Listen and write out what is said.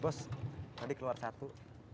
bos tadi keluar satu